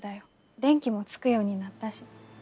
電気もつくようになったし。